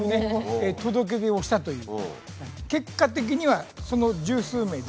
届け出をしたという。